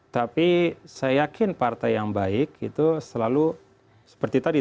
tapi saya yakin partai yang baik itu selalu seperti tadi